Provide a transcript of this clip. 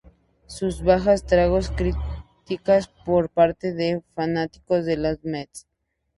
Sus bajas trajo críticas por parte de fanáticos de los Mets.